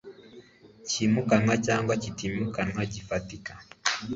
cyimukanwa cyangwa kitimukanwa gifatika